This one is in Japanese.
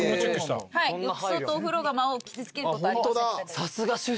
浴槽とお風呂釜を傷つけることはありません。